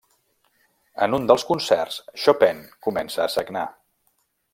En un dels concerts, Chopin comença a sagnar.